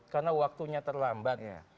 karena waktunya terlambat